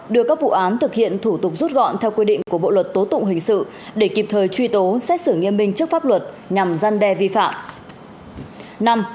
đưa các vụ án thực hiện thủ tục rút gọn theo quy định của bộ luật tố tụng hình sự để kịp thời truy tố xét xử nghiêm minh trước pháp luật nhằm gian đe vi phạm